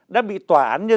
đã bị tòa án như thế này